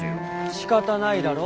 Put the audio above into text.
しかたないだろ？